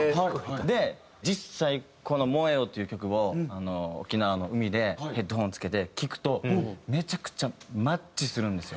で実際この『燃えよ』という曲を沖縄の海でヘッドホンつけて聴くとめちゃくちゃマッチするんですよ。